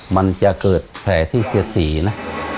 มันจะเกิดแผลที่เสียดสีนะ